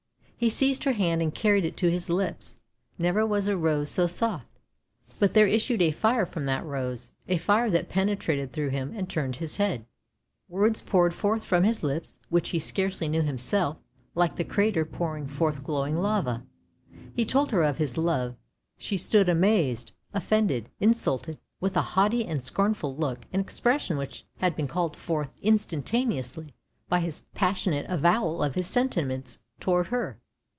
He seized her hand, and carried it to his lips; never was rose so soft. But there issued a fire from that rose— a fire that penetrated through him and turned his head; words poured forth from his lips, which he scarcely knew himself, like the crater pouring forth glowing lava. He told her of his love. She stood amazed, offended, insulted, with a haughty and scornful look, an expression which had been called forth instan taneously by his passionate avowal of his sentiments towards her.